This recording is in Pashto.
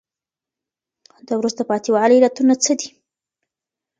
د وروسته پاتي والي علتونه څه دي؟